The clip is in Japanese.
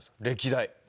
歴代。